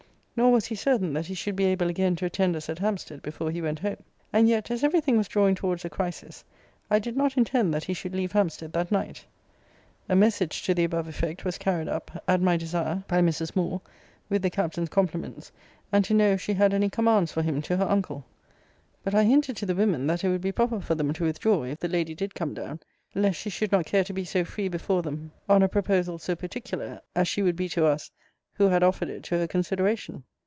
Nor was he certain that he should be able again to attend us at Hampstead before he went home. And yet, as every thing was drawing towards a crisis, I did not intend that he should leave Hampstead that night. A message to the above effect was carried up, at my desire, by Mrs. Moore; with the Captain's compliments, and to know if she had any commands for him to her uncle? But I hinted to the women, that it would be proper for them to withdraw, if the lady did come down; lest she should not care to be so free before them on a proposal so particular, as she would be to us, who had offered it to her consideration.